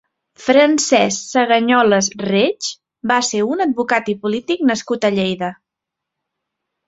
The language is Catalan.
Francesc Sagañoles Reig va ser un advocat i polític nascut a Lleida.